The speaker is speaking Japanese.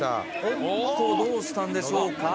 おっとどうしたんでしょうか？